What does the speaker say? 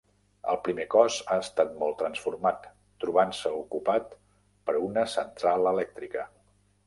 El primer cos ha estat molt transformat, trobant-se ocupat per una central elèctrica.